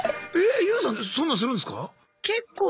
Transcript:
ＹＯＵさんそんなんするんすか？